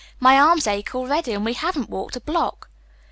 "My arms ache already, and we haven't walked a block."